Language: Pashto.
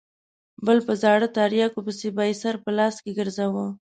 بل په زاړه تریاکو پسې به یې سر په لاس کې ګرځاوه.